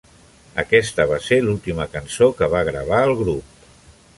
Aquesta va ser l'última cançó que va gravar el grup.